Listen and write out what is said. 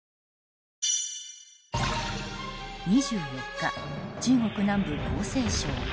２４日、中国南部江西省。